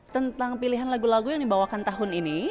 tentang pilihan lagu lagu yang dibawakan tahun ini